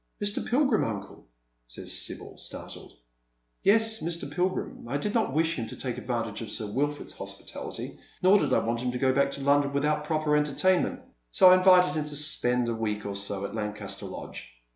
" Mr. Pilgrim, uncle ?" asks Sibyl, startled, " Yes, Mr. Pilgrim. I did not wish him to take advantage of Sir Wilford's hospitality, nor did I want him to go back to London without proper entertainment, so I invited him to spend a week or so at Lancaster Lodge."